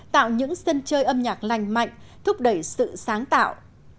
tạo những sân chơi âm nhạc lành mạnh thúc đẩy sự sáng tạo